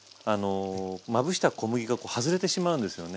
まぶした小麦が外れてしまうんですよね。